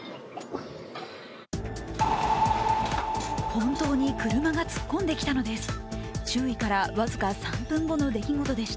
本当に車が突っ込んできたのです。